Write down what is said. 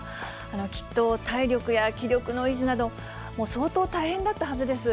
きっと体力や気力の維持など、相当大変だったはずです。